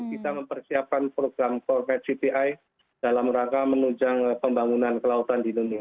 kita mempersiapkan program core pet gpi dalam rangka menunjang pembangunan kelautan di indonesia